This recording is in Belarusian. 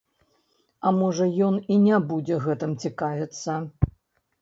А можа, ён і не будзе гэтым цікавіцца?